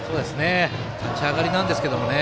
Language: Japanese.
立ち上がりなんですけどね。